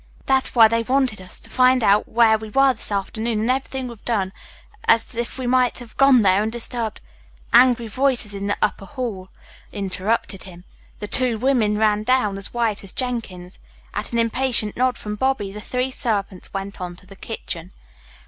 "That's why they wanted us, to find out where we were this afternoon, and everything we've done, as if we might have gone there, and disturbed " Angry voices in the upper hall interrupted him. The two women ran down, as white as Jenkins. At an impatient nod from Bobby the three servants went on to the kitchen.